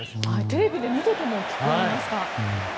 テレビで見ていても聞こえました。